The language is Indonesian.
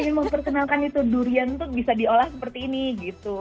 ingin memperkenalkan itu durian tuh bisa diolah seperti ini gitu